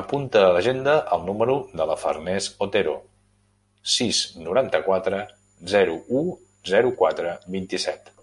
Apunta a l'agenda el número de la Farners Otero: sis, noranta-quatre, zero, u, zero, quatre, vint-i-set.